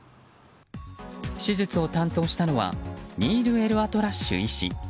手術を担当したのはニール・エルアトラッシュ医師。